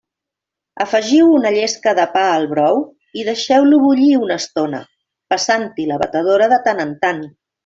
Afegiu una llesca de pa al brou i deixeu-lo bullir una estona, passant-hi la batedora de tant en tant.